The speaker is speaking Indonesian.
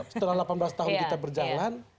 setelah delapan belas tahun kita berjalan